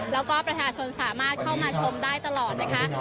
แล้วก็ประชาชนสามารถเข้ามาชมได้ตลอดนะคะ